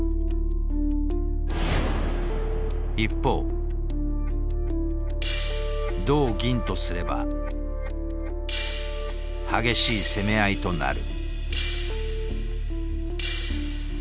一方同銀とすれば激しい攻め合いとなる。